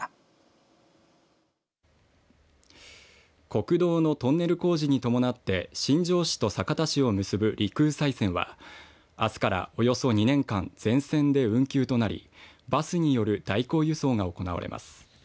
国道のトンネル工事に伴って新庄市と酒田市を結ぶ陸羽西線はあすから、およそ２年間全線で運休となりバスによる代行輸送が行われます。